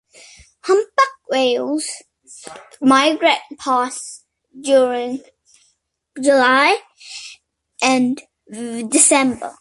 Humpback whales migrate past during July and December.